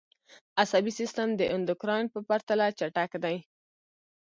عصبي سیستم د اندوکراین په پرتله چټک دی